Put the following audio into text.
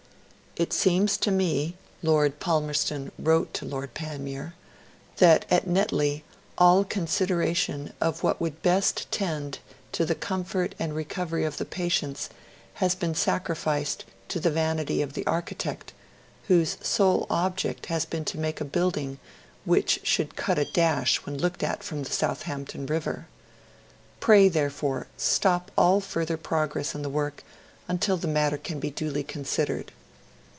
'It seems to me,' Lord Palmerston wrote to Lord Panmure, 'that at Netley all consideration of what would best tend to the comfort and recovery of the patients has been sacrificed to the vanity of the architect, whose sole object has been to make a building which should cut a dash when looked at from the Southampton river ... Pray, therefore, stop all further progress in the work until the matter can be duly considered.'